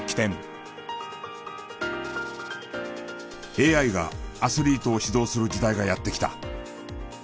ＡＩがアスリートを指導する時代がやってきた。